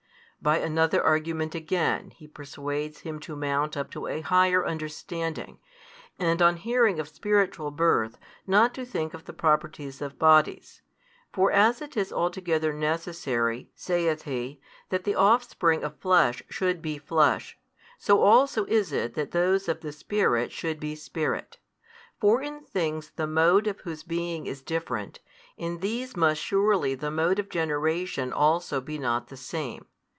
By another argument again He persuades him to mount up to a higher understanding, and on hearing of spiritual birth, not to think of the properties of bodies. For as it is altogether necessary, saith He, that the offspring of flesh should be flesh, so also is it that those of the Spirit should be spirit. For in things the mode of whose being is different, in these must surely the mode of generation also be not the same.